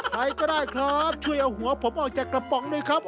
ใครก็ได้ครับช่วยเอาหัวผมออกจากกระป๋องด้วยครับ